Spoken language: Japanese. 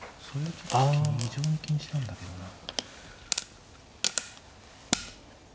そういう手気にしたんだけどな。